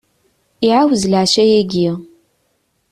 Iɛawez leɛca-ayyi.